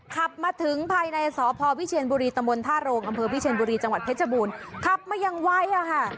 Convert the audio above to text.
ขับมาถึงภายในสพพิเชนบุรีตทรอพิเชนบุรีจเพชรบูรขับมายังไวอ่ะค่ะ